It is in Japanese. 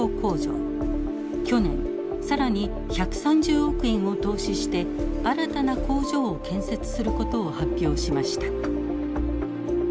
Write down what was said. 去年更に１３０億円を投資して新たな工場を建設することを発表しました。